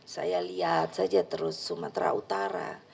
saya lihat saja terus sumatera utara